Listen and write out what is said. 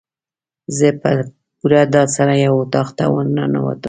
زه په پوره ډاډ سره یو اطاق ته ورننوتم.